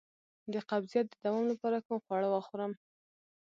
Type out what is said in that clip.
د قبضیت د دوام لپاره کوم خواړه وخورم؟